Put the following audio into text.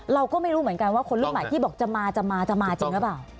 เราก็ไม่รู้เหมือนกันว่าคนรุ่นใหม่ที่บอกจะมาจะมาจะมาจริงหรือเปล่า